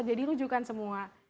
jadi rujukan semua